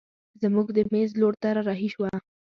زموږ د مېز لور ته رارهي شوه.